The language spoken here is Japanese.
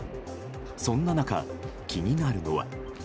そんな中、気になるのは。